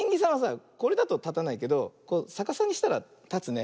これだとたたないけどさかさにしたらたつね。